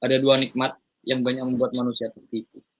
ada dua nikmat yang banyak membuat manusia tertipu